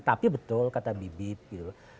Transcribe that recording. tapi betul kata bibit gitu